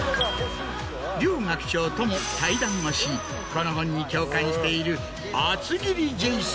両学長とも対談をしこの本に共感している。